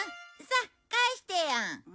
さあ返してよ。